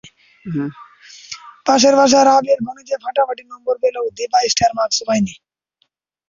পাশের বাসার আবীর গণিতে ফাটাফাটি নম্বর পেলেও দীপা স্টার মার্কসও পায়নি।